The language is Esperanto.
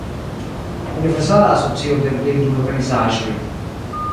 Universala Asocio de Blindul-Organizaĵoj.